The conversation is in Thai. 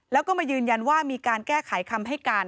แล้วก็มายืนยันว่ามีการแก้ไขคำให้การ